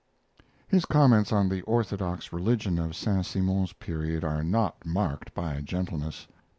His comments on the orthodox religion of Saint Simon's period are not marked by gentleness.